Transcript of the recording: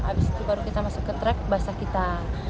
abis itu baru kita masuk ke track basah kita